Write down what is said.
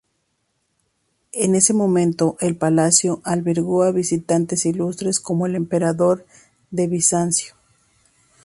En ese momento el palacio albergó a visitantes ilustres, como el emperador de Bizancio.